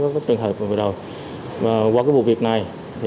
với các trường hợp vừa đầu qua cái vụ việc này